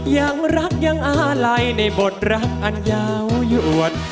ยังรักยังอาลัยในบทรักอันยาวหยวด